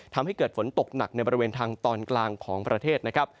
ทำให้เกิดฝนตกหนักในบริเวณทางตอนกลางของประเทศนะครับ